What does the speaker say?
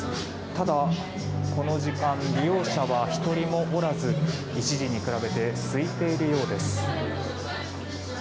ただ、この時間利用者は１人もおらず一時に比べてすいているようです。